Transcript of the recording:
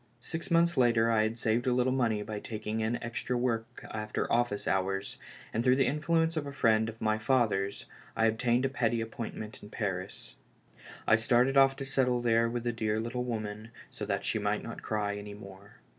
Six months later I had saved a little money by taking in extra work after office hours, and through the influence of a friend of my father's I ob tained a petty appointment in Paris. I started off to settle there with the dear little woman so that she might not cry any more.